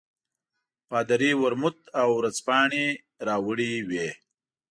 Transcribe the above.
پادري ورموت او ورځپاڼې راوړې وې.